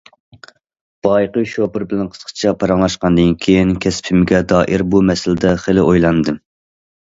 بايىقى شوپۇر بىلەن قىسقىچە پاراڭلاشقاندىن كېيىن، كەسپىمگە دائىر بۇ مەسىلىدە خېلى ئويلاندىم.